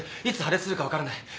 いつ破裂するか分からない